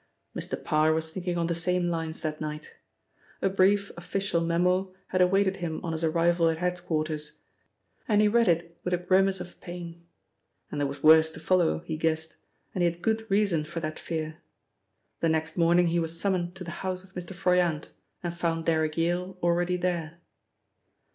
Mr. Parr was thinking on the same lines that night. A brief official memo, had awaited him on his arrival at head quarters, and he read it with a grimace of pain. And there was worse to follow, he guessed, and he had good reason for that fear. The next morning he was summoned to the house of Mr. Froyant, and found Derrick Yale already there.